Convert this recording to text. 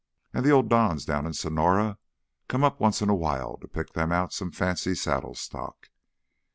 An' th' old Dons down in Sonora come up once in a while to pick them out some fancy saddle stock.